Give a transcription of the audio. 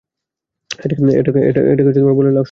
এটাকে বলে love story.